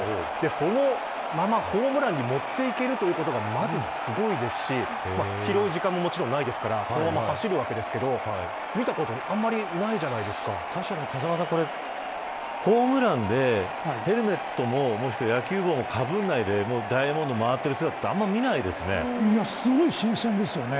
そのままホームランに持っていけるということでまず、すごいですし拾う時間ももちろんないですから走るんですけど見たこと確かにこれ、ホームランでヘルメットもしくは野球帽をかぶらないでダイヤモンドを回ってる姿はすごい新鮮ですよね。